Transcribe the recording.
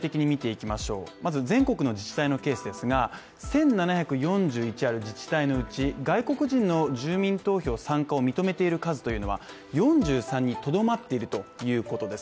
まず全国の自治体のケースですが、１７４１ある自治体のうち、外国人の住民投票参加を認めている数というのは４３にとどまっているということです